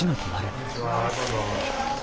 こんにちはどうぞ。